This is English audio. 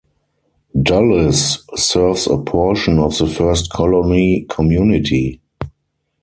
Dulles serves a portion of the First Colony community.